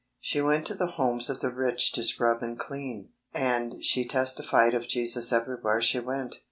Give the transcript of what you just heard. She went to the homes of the rich to scrub and clean, and she testified of Jesus everywhere she went.